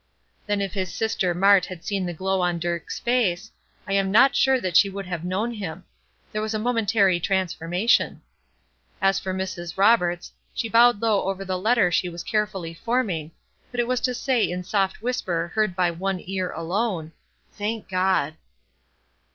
Then if his sister Mart had seen the glow on Dirk's face, I am not sure that she would have known him. There was a momentary transformation. As for Mrs. Roberts, she bowed low over the letter she was carefully forming, but it was to say in soft whisper heard by one ear alone: "Thank God!"